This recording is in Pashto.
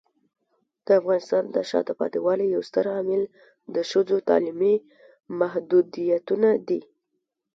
د افغانستان د شاته پاتې والي یو ستر عامل د ښځو تعلیمي محدودیتونه دي.